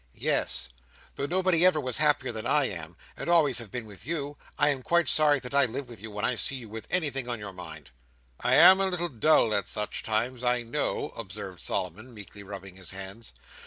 "Yes. Though nobody ever was happier than I am and always have been with you, I am quite sorry that I live with you, when I see you with anything in your mind." "I am a little dull at such times, I know," observed Solomon, meekly rubbing his hands.